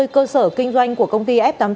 hai mươi cơ sở kinh doanh của công ty f tám mươi